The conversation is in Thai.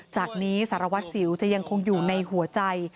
จากนี้สารวัตรสิวจะยังคงอยู่ในหัวใจ